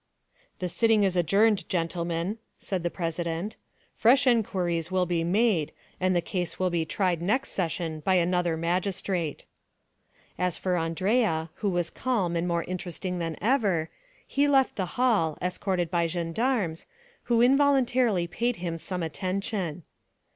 "The sitting is adjourned, gentlemen," said the president; "fresh inquiries will be made, and the case will be tried next session by another magistrate." As for Andrea, who was calm and more interesting than ever, he left the hall, escorted by gendarmes, who involuntarily paid him some attention.